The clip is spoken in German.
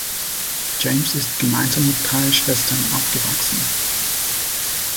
James ist gemeinsam mit drei Schwestern aufgewachsen.